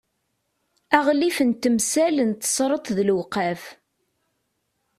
aɣlif n temsal n tesreḍt d lewqaf